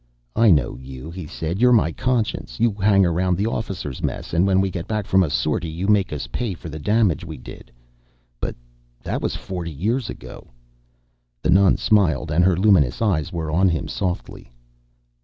"I know you," he said. "You're my conscience. You hang around the officers' mess, and when we get back from a sortie, you make us pay for the damage we did. But that was forty years ago." The nun smiled, and her luminous eyes were on him softly.